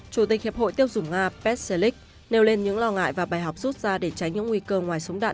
chủ tịch hiệp hội tiêu dụng nga petr selik nêu lên những lo ngại và bài học rút ra để tránh những nguy cơ ngoài súng đạn